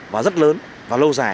và rất lớn và lâu dài